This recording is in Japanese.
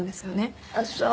あっそう。